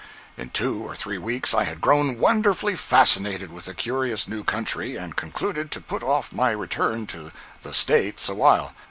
In two or three weeks I had grown wonderfully fascinated with the curious new country and concluded to put off my return to "the States" awhile.